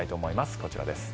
こちらです。